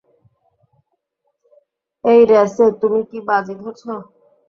এই রেসে তুমি কি বাজি ধরছ?